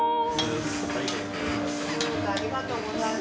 ありがとうございます。